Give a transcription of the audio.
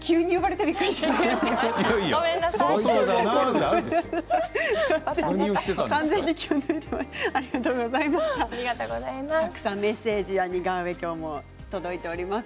たくさんメッセージや似顔絵が届いております。